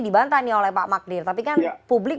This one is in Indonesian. dibantah nih oleh pak magdir tapi kan publik